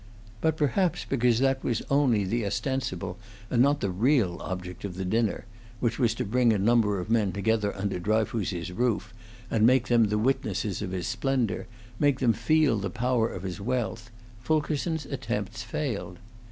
But perhaps because that was only the ostensible and not the real object of the dinner, which was to bring a number of men together under Dryfoos's roof, and make them the witnesses of his splendor, make them feel the power of his wealth, Fulkerson's attempts failed.